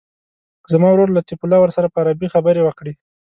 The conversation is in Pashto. زما ورور لطیف الله ورسره په عربي خبرې وکړي.